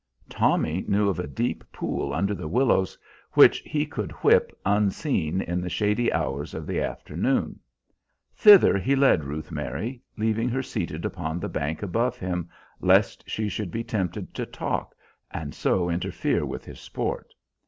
Tommy knew of a deep pool under the willows which he could whip, unseen, in the shady hours of the afternoon. Thither he led Ruth Mary, leaving her seated upon the bank above him lest she should be tempted to talk, and so interfere with his sport.